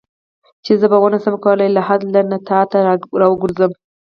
چې زه به ونه شم کولای له لحد نه تا ته راوګرځم.